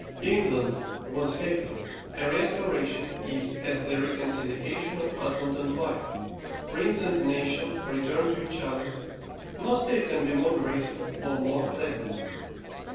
England was happy; a restoration is as the reconciliation of husband and wife, prince and nation return to each other, no state can be more graceful or more pleasant.